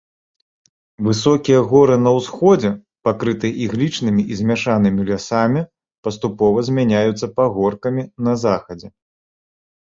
Высокія горы на ўсходзе, пакрытыя іглічнымі і змяшанымі лясамі, паступова змяняюцца пагоркамі на захадзе.